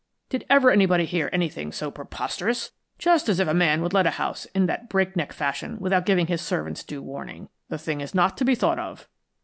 Did ever anybody hear anything so preposterous? Just as if a man would let a house in that break neck fashion without giving his servants due warning. The thing is not to be thought of."